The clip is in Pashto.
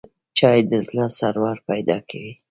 چای د زړه سرور پیدا کوي